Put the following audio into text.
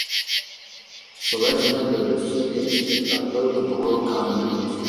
Selection of the recipients is by vote of the Worldcon members.